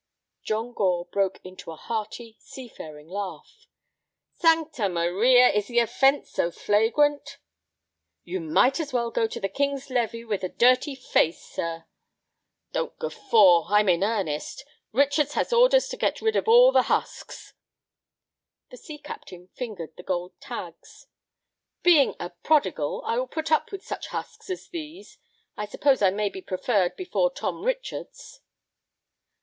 John Gore broke into a hearty, seafaring laugh. "Sancta Maria! is the offence so flagrant?" "You might as well go to the King's levee with a dirty face, sir. Don't guffaw; I'm in earnest. Richards has orders to get rid of all the husks." The sea captain fingered the gold tags. "Being a prodigal, I will put up with such husks as these. I suppose I may be preferred before Tom Richards?"